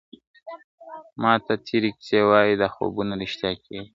ماته تیري کیسې وايي دا خوبونه ریشتیا کیږي ..